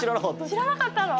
しらなかったの？